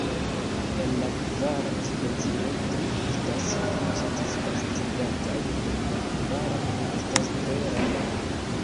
El la kvar specioj, tri estas sufiĉe disvastigataj, dum la kvara estas tre rara.